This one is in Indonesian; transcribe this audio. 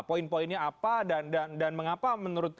poin poinnya apa dan mengapa menurut